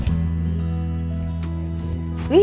lihat kakak tadi